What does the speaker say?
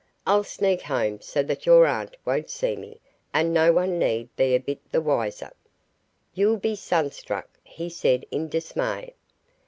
I'll sneak home so that your aunt won't see me, and no one need be a bit the wiser." "You'll be sun struck!" he said in dismay.